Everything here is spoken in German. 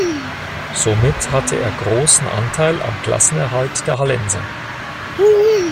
Somit hatte er großen Anteil am Klassenerhalt der Hallenser.